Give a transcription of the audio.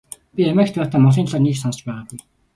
Би Америкт байхдаа Монголын талаар нэг их сонсож байгаагүй.